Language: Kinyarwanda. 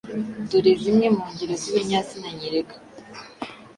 Dore zimwe mu ngero z’ibinyazina nyereka